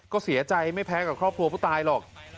ก็เสียใจไม่แพ้กับครอบครัวผู้ตายหรอก